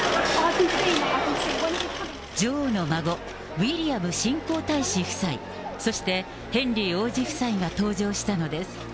女王の孫、ウィリアム新皇太子夫妻、そして、ヘンリー王子夫妻が登場したのです。